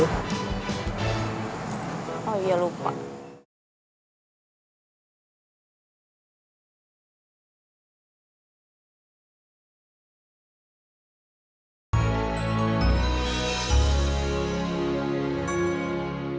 gue cuma mau ngambil skateboard gue aja yang tinggalin di mobil lo